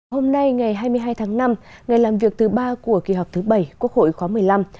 hôm nay ngày hai mươi hai tháng năm ngày làm việc thứ ba của kỳ họp thứ bảy quốc hội khóa một mươi năm